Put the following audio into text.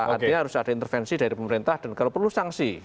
artinya harus ada intervensi dari pemerintah dan kalau perlu sanksi